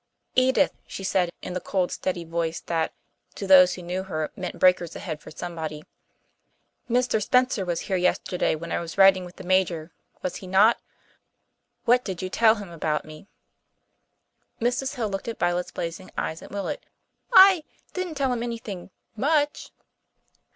"Edith," she said in the cold, steady voice that, to those who knew her, meant breakers ahead for somebody, "Mr. Spencer was here yesterday when I was riding with the Major, was he not? What did you tell him about me?" Mrs. Hill looked at Violet's blazing eyes and wilted. "I didn't tell him anything much."